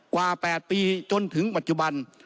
กว่า๘ปีจนถึงปัจจุบัน